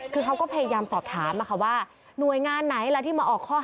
คือเขาก็พยายามสอบถามว่าหน่วยงานไหนล่ะที่มาออกข้อหา